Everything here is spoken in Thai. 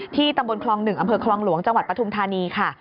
ตำบลคลอง๑อำเภอคลองหลวงจังหวัดปฐุมธานีค่ะ